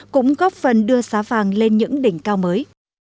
cũng góp phần đưa giá vàng lên những đỉnh cao mới